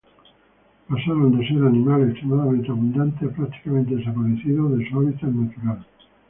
Pasaron de ser animales extremadamente abundantes a prácticamente desaparecidos de su hábitat natural.